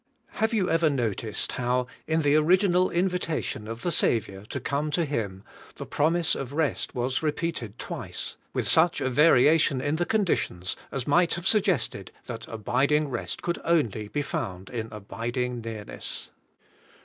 Have you ever noticed how, in the original invita tion of the Saviour to come to Him, the promise of rest was repeated twice, with such a variation in the con ditions as might have suggested that abiding rest AND YE SHALL FIND REST TO YOUR SOULS, 21 could only be found in abiding nearness.